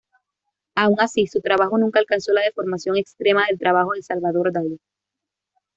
Aun así, su trabajo nunca alcanzó la deformación extrema del trabajo de Salvador Dalí.